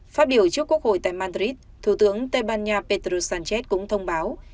phát biểu trước quốc hội tại madrid thủ tướng tây ban nha pedro sánchez cũng thông báo